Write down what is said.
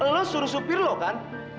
lo suruh supir lo kan